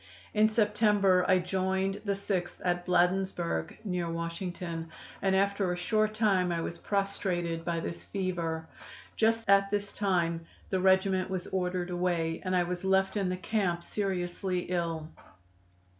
"In September I joined the Sixth at Bladensburg, near Washington, and after a short time I was prostrated by this fever. Just at this time the regiment was ordered away, and I was left in the camp seriously ill.